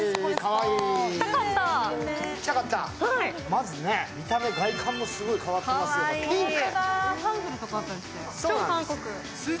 まず、見た目、外観もすごいかわってますよ、ピンク！